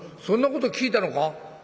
「そんなこと聞いたのか？」。